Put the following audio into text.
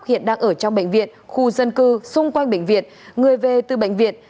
hiện đang ở trong bệnh viện khu dân cư xung quanh bệnh viện người về từ bệnh viện